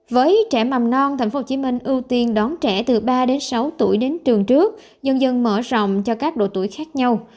với trẻ mầm non tp hcm ưu tiên đón trẻ từ ba đến sáu tuổi đến trường trước dần dần mở rộng cho các độ tuổi khác nhau